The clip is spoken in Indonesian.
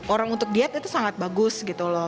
orang untuk diet itu sangat bagus gitu loh